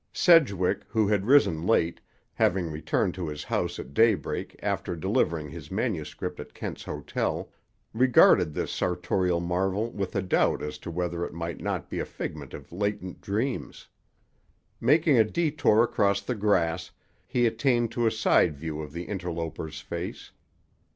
Sedgwick, who had risen late, having returned to his house at daybreak after delivering his manuscript at Kent's hotel, regarded this sartorial marvel with a doubt as to whether it might not be a figment of latent dreams. Making a détour across the grass, he attained to a side view of the interloper's face.